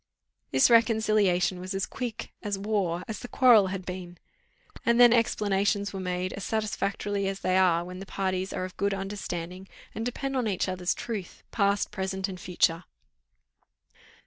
This reconciliation was as quick, as warm, as the quarrel had been. And then explanations were made, as satisfactorily as they are when the parties are of good understanding, and depend on each other's truth, past, present, and future.